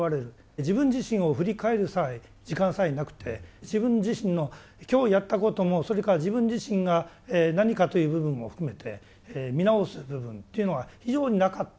自分自身を振り返る時間さえなくて自分自身の今日やったこともそれから自分自身が何かという部分も含めて見直す部分というのは非常になかった。